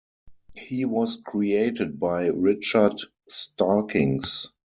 He was created by Richard Starkings.